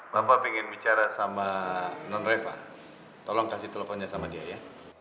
bapak ingin bicara sama nonreva tolong kasih teleponnya sama dia ya